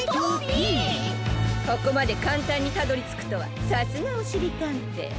ここまでかんたんにたどりつくとはさすがおしりたんてい！